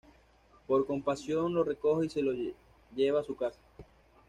Por compasión lo recoge y se lo lleva a su casa.